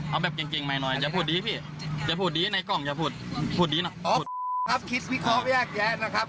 เอาแบบเก่งเก่งใหม่หน่อยอย่าพูดดีพี่อย่าพูดดีในกล้องอย่าพูดพูดดีหน่อยครับคิดวิเคราะห์แยกแยะนะครับ